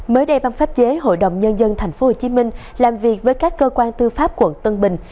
mới đây ban pháp chế hội đồng nhân dân tp hcm làm việc với các cơ quan tư pháp quận tân bình